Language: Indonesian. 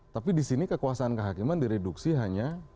tapi di sini kekuasaan kehakiman direduksi hanya kekuasaan kehakiman